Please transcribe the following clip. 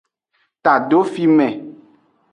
Tado fime.